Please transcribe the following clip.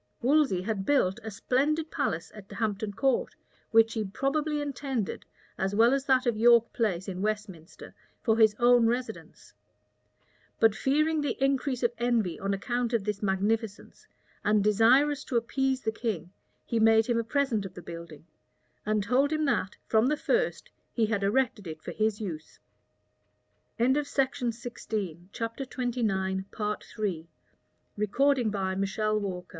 Wolsey had built a splendid palace at Hampton Court, which he probably intended, as well as that of York Place, in Westminster, for his own residence; but fearing the increase of envy on account of this magnificence, and desirous to appease the king, he made him a present of the building, and told him that, from the first, he had erected it for his use. The absolute authority possessed by the